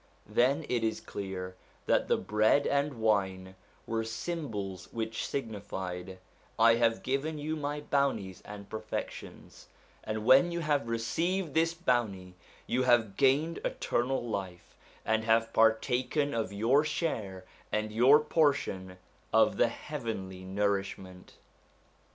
Then it is clear that the bread and wine were symbols which signified: I have given you my bounties and perfections, and when you have received this bounty, you have gained eternal life and have partaken of your share and your portion of the heavenly nourishment.